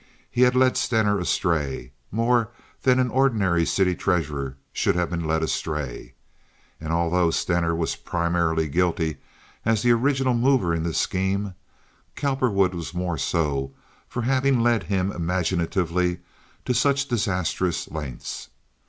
He had led Stener astray—more than an ordinary city treasurer should have been led astray—and, although Stener was primarily guilty as the original mover in the scheme, Cowperwood was more so for having led him imaginatively to such disastrous lengths.